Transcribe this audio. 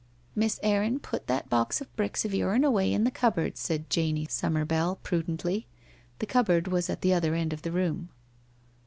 ' Miss Erin, put that box of bricks of yourn away in the cupboard,' said Janie Summerbell, prudently — the cup board was at the other end of the room.